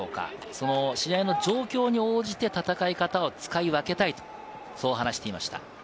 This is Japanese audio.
その試合の状況に応じて、戦い方を使い分けたい、そう話していました。